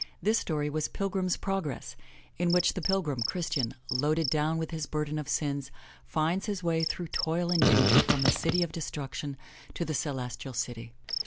This story was Pilgrim's Progress, in which the pil grim, Christian, loaded down with his burden of sins, finds his way through toil and danger from the City of Destruction to the Celes tial City.